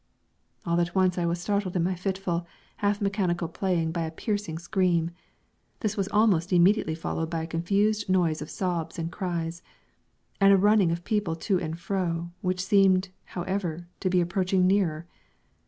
All at once I was startled in my fitful, half mechanical playing by a piercing scream; this was almost immediately followed by a confused noise of sobs and cries, and a running of people to and fro, which seemed, however, to be approaching nearer.